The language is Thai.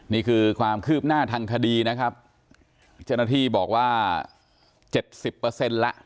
นี่คือความคืบหน้าทั่งคดีจนที่บอกว่า๗๐ละ